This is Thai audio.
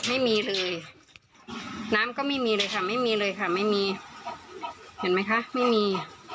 ไม่มีเลยน้ำก็ไม่มีเลยค่ะไม่มีเลยค่ะไม่มีเห็นไหมคะไม่มี